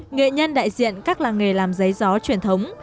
nghệ nhân đại diện các làng nghề làm giấy gió truyền thống